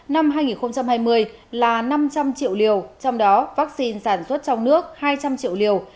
năm hai nghìn hai mươi là năm trăm linh triệu liều trong đó vaccine sản xuất trong nước hai trăm linh triệu liều